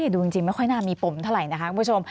ดูจริงไม่ค่อยน่ามีปมเท่าไหร่นะคะคุณผู้ชม